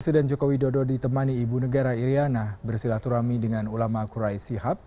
presiden jokowi dodo ditemani ibu negara iryana bersilaturami dengan ulama quraisyihab